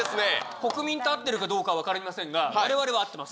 国民と合ってるかどうかは分かりませんが、われわれは合ってます。